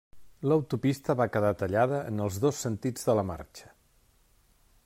L'autopista va quedar tallada en els dos sentits de la marxa.